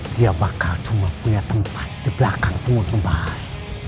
dia bakal cuma punya tempat di belakang pungut kang bahar